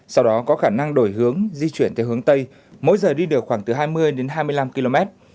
sau đó có khả năng đổi hướng di chuyển theo hướng tây mỗi giờ đi được khoảng từ hai mươi đến hai mươi năm km